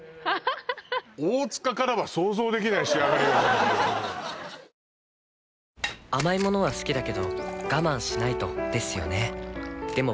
大塚からは想像できない仕上がりよね甘い物は好きだけど我慢しないとですよね